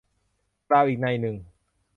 กล่าวอีกนัยหนึ่ง